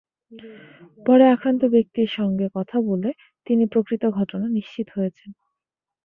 পরে আক্রান্ত ব্যক্তির সঙ্গে কথা বলে তিনি প্রকৃত ঘটনা নিশ্চিত হয়েছেন।